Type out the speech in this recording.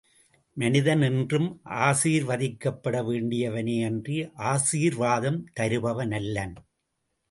மனிதன் என்றும் ஆசீர்வதிக்கப்பட வேண்டியவனே யன்றி ஆசீர்வாதம் தருபவனல்லன்.